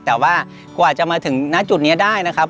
แต่ว่ากว่าจะมาถึงณจุดนี้ได้นะครับ